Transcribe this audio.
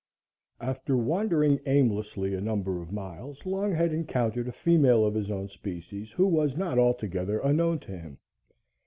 After wandering aimlessly a number of miles, Longhead encountered a female of his own species who was not altogether unknown to him.